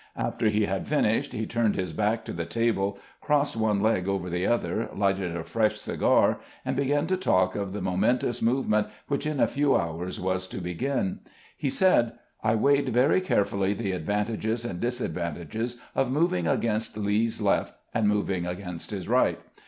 After he had finished he turned his back to the table, crossed one leg over the other, lighted a fresh cigar, and began to talk of the momen tous movement which in a few hours was to begin. He said: "I weighed very carefully the advantages and disadvantages of moving against Lee's left and moving against his right.